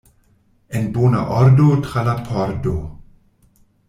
En bona ordo tra la pordo!